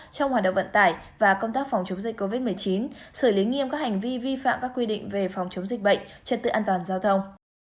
trong hoạt động vận tải và công tác phòng chống dịch covid một mươi chín xử lý nghiêm các hành vi vi phạm các quy định về phòng chống dịch bệnh trật tự an toàn giao thông